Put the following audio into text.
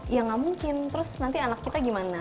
ya gak mungkin terus nanti anak kita gimana